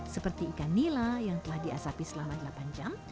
seperti ikan nila yang telah diasapi selama delapan jam